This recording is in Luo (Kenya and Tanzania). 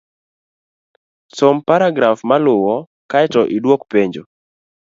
Som paragraf maluwo, kae to idwok penjo